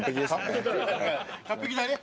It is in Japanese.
完璧だね。